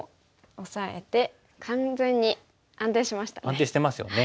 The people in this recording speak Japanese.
安定してますよね。